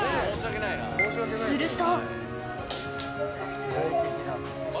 すると。